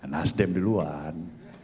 nasdem di luar